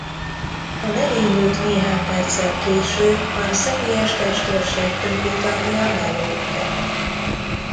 A merénylőt néhány perccel később a személyes testőrség többi tagja lelőtte.